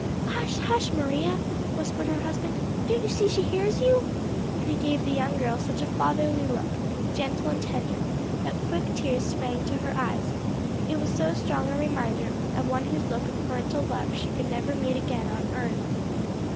"Hush, hush, Maria!" whispered her husband, "don't you see she hears you?" and he gave the young girl such a fatherly look, gentle and tender, that quick tears sprang to her eyes: it was so strong a reminder of one whose look of parental love she should never meet again on earth.